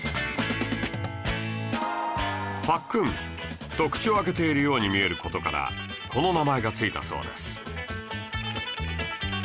パックンと口を開けているように見える事からこの名前がついたそうです